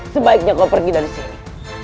sebaiknya kau pergi dari sini